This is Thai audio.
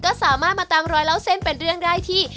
ก็สามารถมาตามรอยเล่าเส้นเป็นเรื่องได้ที่